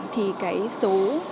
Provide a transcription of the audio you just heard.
thì cái số